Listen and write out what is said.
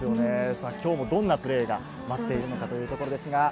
今日もどんなプレーが待っているのかというところです。